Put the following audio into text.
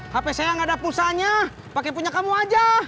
hp saya gak ada pulsanya pake punya kamu aja